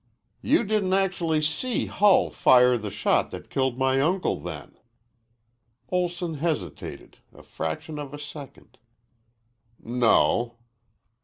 "You didn't actually see Hull fire the shot that killed my uncle, then?" Olson hesitated, a fraction of a second. "No."